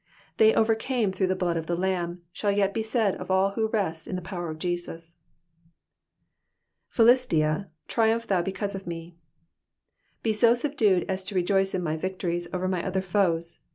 '* They overcame through the blood of the Lamb," shall yet be said of all who rest in the power of Jesus. ^'•PhUisiic^ triumph thou because of me^ Be so subdued as to rejoice in my victories over my other foes.